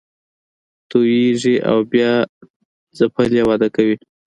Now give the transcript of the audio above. توییږي او بیا ځپلې وده کوي